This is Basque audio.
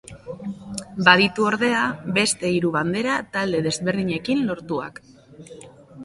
Baditu ordea beste hiru bandera talde desberdinekin lortuak.